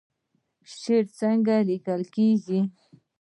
شعر څنګه لیکل کیږي؟